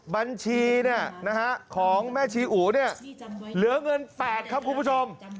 บัญชีของแม่ชีอู๋เนี่ยเหลือเงิน๘ครับคุณผู้ชม